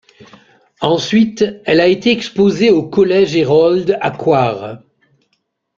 Ensuite, elle a été exposée au Collège Herold à Coire.